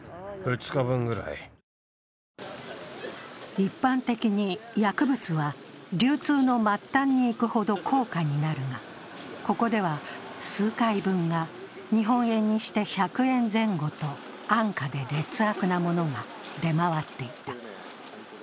一般的に、薬物は流通の末端に行くほど高価になるがここでは数回分が日本円にして１００円前後と安価で劣悪なものが出回っていた。